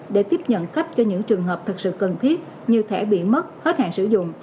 để tiếp nhận cấp cho những trường hợp thật sự cần thiết như thẻ bị mất hết hạn sử dụng